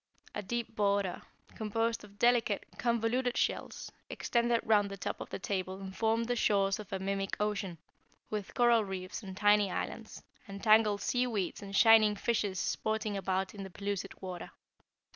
A deep border, composed of delicate, convoluted shells, extended round the top of the table and formed the shores of a mimic ocean, with coral reefs and tiny islands, and tangled sea weeds and shining fishes sporting about in the pellucid water.